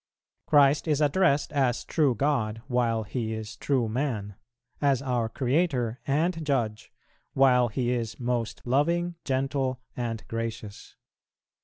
Christ is addressed as true God, while He is true Man; as our Creator and Judge, while He is most loving, gentle, and gracious.